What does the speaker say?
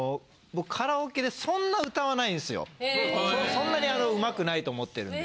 そんなにうまくないと思ってるんで。